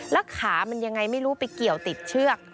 แล้วขามันยังไงไม่รู้ไปเกี่ยวติดเชือก